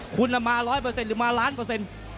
คุณลำมาร้อยเปอร์เซ็นต์หรือมาล้านเปอร์เซ็นต์